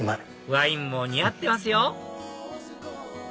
ワインも似合ってますよ